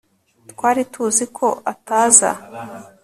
twari tuzi ko ataza